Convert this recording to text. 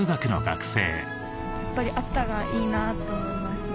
やっぱりあったらいいなと思いますね。